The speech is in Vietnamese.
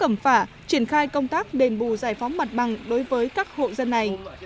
cầm phà triển khai công tác đền bù giải phóng mặt bằng đối với các hộ dân này